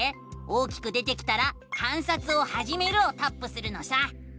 大きく出てきたら「観察をはじめる」をタップするのさ！